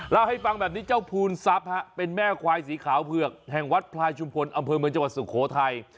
เล่าให้ฟังแบบนี้เจ้าภูนทรัพย์เป็นแม่ควายสีขาวเผือกแห่งวัดพลายชุมพลอำเภอเมืองจังหวัดสุโขทัย